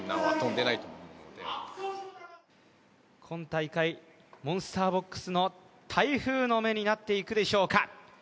今大会モンスターボックスの台風の目になっていくでしょうか？